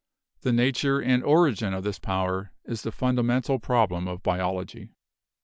The 264 BIOLOGY nature and origin of this power is the fundamental prob lem of biology.